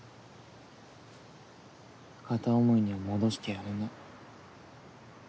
片思いには戻してやれない。